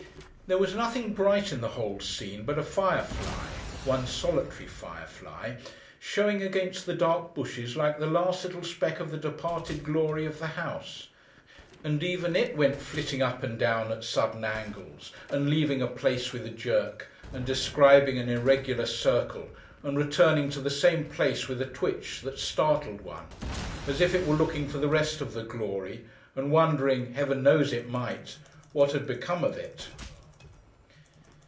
There was nothing bright in the whole scene but a firefly—one solitary firefly—showing against the dark bushes like the last little speck of the departed Glory of the house; and even it went flitting up and down at sudden angles, and leaving a place with a jerk, and describing an irregular circle, and returning to the same place with a twitch that startled one: as if it were looking for the rest of the Glory, and wondering (Heaven knows it might!) what had become of it.